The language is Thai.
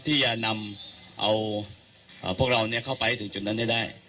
ที่จะนำเอาพวกเราเนี่ยเข้าไปถึงจุดนั้นได้ได้